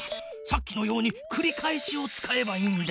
さっきのようにくり返しを使えばいいんだ。